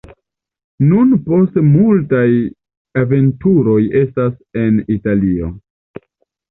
Nun post multaj aventuroj estas en Italio.